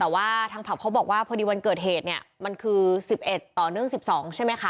แต่ว่าทางผับเขาบอกว่าพอดีวันเกิดเหตุเนี่ยมันคือ๑๑ต่อเนื่อง๑๒ใช่ไหมคะ